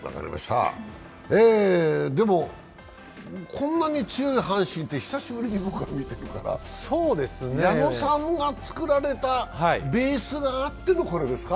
でもこんなに強い阪神って久しぶりに僕は見てるから、矢野さんが作られたベースがあってのこれですか？